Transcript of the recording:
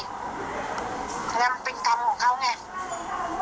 เพราะฉะนั้นเป็นกรรมของเขาไง